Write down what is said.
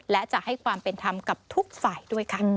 และจะให้ความเป็นธรรมกับทุกฝ่ายด้วยค่ะ